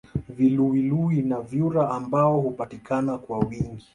Viluwiluwi na vyura ambao hupatikana kwa wingi